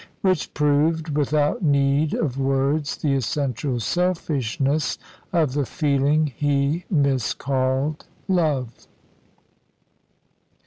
Which proved, without need of words, the essential selfishness of the feeling he miscalled love.